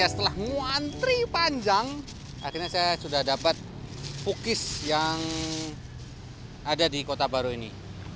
setelah muantri panjang akhirnya saya sudah dapat pukis yang ada di kota baru ini